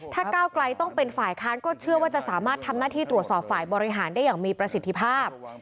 ถ้าก้าวไกลต้องเป็นฝ่ายค้านก็เชื่อว่าจะสามารถทำหน้าที่ตรวจสอบฝ่ายบริหารได้อย่างมีประสิทธิภาพ